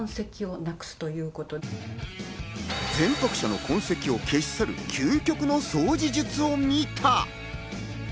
前泊者の痕跡を消し去る究極の掃除術を見た！